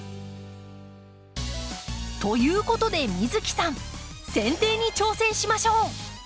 ということで美月さんせん定に挑戦しましょう！